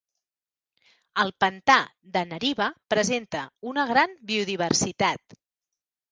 El pantà de Nariva presenta una gran biodiversitat.